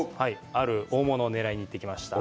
ある大物を狙いに行ってきました。